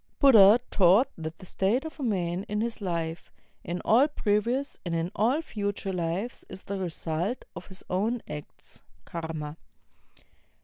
Buddha taught that the state of a man in this life, in all previous and in aU future lives , is the result of his own acts (karma).